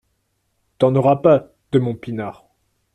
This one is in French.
T’en auras pas, de mon pinard